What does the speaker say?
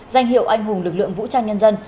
danh hiệu anh hùng lực lượng vũ trang nhân dân